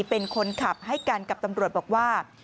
เป็นคนขับให้กันกับตำรวจบอกว่า